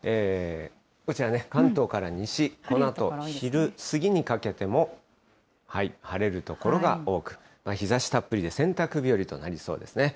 こちら、関東から西、このあと昼過ぎにかけても晴れる所が多く、日ざしたっぷりで洗濯日和となりそうですね。